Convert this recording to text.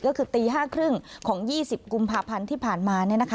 ก็คือตีห้าครึ่งของยี่สิบกุมภาพันธ์ที่ผ่านมา